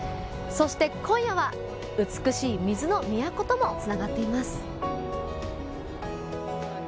そして、今夜は美しい水の都ともつながっています。